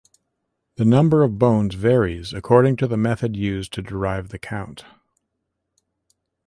The number of bones varies according to the method used to derive the count.